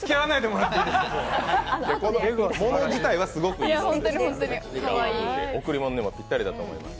もの自体はすごくいいものです。